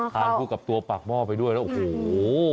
คู่กับตัวปากหม้อไปด้วยแล้วโอ้โห